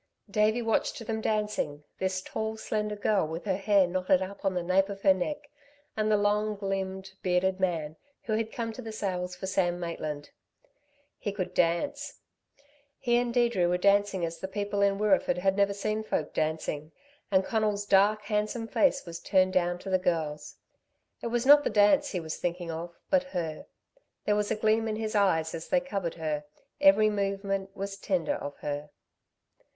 Davey watched them dancing, this tall slender girl with her hair knotted up on the nape of her neck and the long limbed, bearded man who had come to the sales for Sam Maitland. He could dance. He and Deirdre were dancing as the people in Wirreeford had never seen folk dancing, and Conal's dark, handsome face was turned down to the girl's. It was not the dance he was thinking of, but her. There was a gleam in his eyes as they covered her; every movement was tender of her.